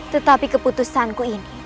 tetapi keputusanku ini